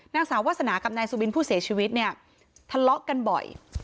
นางสาววาสนากับนายสุบินผู้เสียชีวิตเนี่ยทะเลาะกันบ่อย